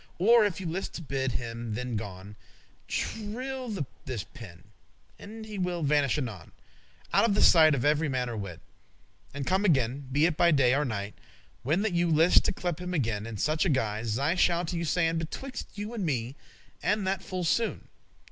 Or, if you list to bid him thennes gon, Trill this pin, and he will vanish anon Out of the sight of every manner wight, And come again, be it by day or night, When that you list to clepe* him again *call In such a guise, as I shall to you sayn Betwixte you and me, and that full soon.